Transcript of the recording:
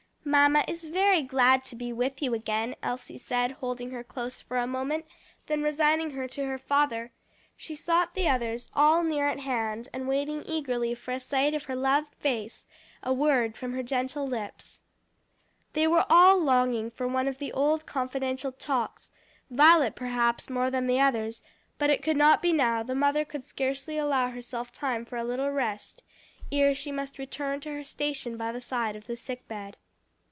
"Mamma is very glad to be with you again," Elsie said, holding her close for a moment, then resigning her to her father, she sought the others, all near at hand, and waiting eagerly for a sight of her loved face, a word from her gentle lips. They were all longing for one of the old confidential talks, Violet, perhaps, more than the others; but it could not be now, the mother could scarcely allow herself time for a little rest, ere she must return to her station by the side of the sick bed.